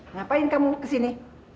ngapain kamu kesini